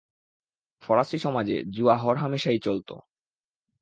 ফরাসি সমাজে জুয়া হরহামেশাই চলতো।